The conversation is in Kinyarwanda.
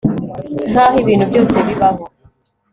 nkaho ibintu byose bibaho